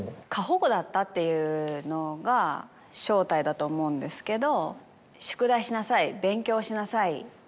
っていうのが正体だと思うんですけど。